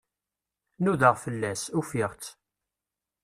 Nudaɣ fell-as, ufiɣ-itt.